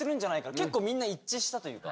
結構、みんな一致したというか。